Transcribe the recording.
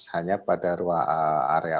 hanya pada ruang area